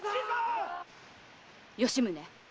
吉宗。